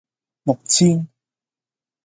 六千